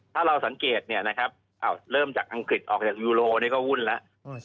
ถ้าเราสังเกตเนี่ยนะครับเริ่มจากอังกฤษออกจากยูโรนี่ก็วุ่นแล้ว